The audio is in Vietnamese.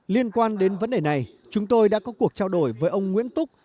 liên quan đến vấn đề này chúng tôi đã có cuộc trao đổi với ông nguyễn túc